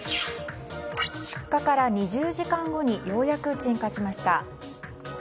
出火から２０時間後にようやく鎮火しました。